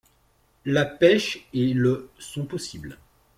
La pêche et le sont possibles.